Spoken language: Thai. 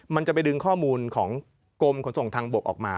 มันจะไปดึงข้อมูลของกรมขนส่งทางบกออกมา